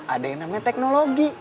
ada yang namanya teknologi